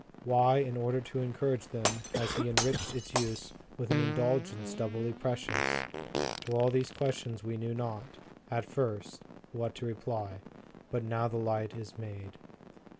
Why, in order to en courage them, has he enriched its use with I T 12 Preface to the Second Edition. an indulgence doubly precious? To all these questions we knew not, at first, what to reply. But now the light is made.